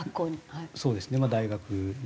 そうですね大学に。